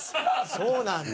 そうなんだ。